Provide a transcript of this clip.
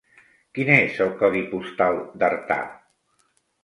Quin és el codi postal d'Artà?